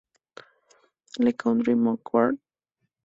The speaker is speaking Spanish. Le Coudray-Macouard